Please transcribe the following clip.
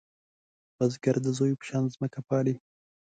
بزګر د زوی په شان ځمکه پالې